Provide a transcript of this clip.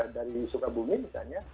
dari soekabumi misalnya